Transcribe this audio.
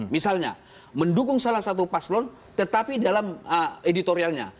misalnya mendukung salah satu paslon tetapi dalam editorialnya